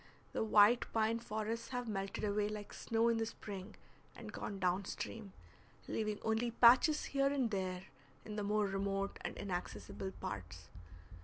The white pine forests have melted away like snow in the spring and gone down stream, leaving only patches here and there in the more remote and inaccessible parts.